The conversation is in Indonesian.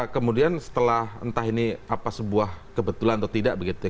kemudian setelah entah ini apa sebuah kebetulan atau tidak begitu